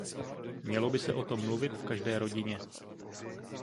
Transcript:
Mělo by se o tom mluvit v každé rodině.